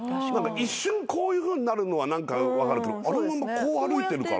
一瞬こういうふうになるのは分かるけどあのまんまこう歩いてるから。